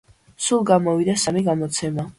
სულ გამოვიდა სამი გამოცემა.